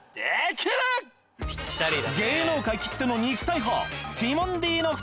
芸能界きっての肉体派。